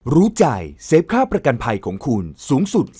รู้ใจเซฟค่าประกันภัยของคุณสูงสุด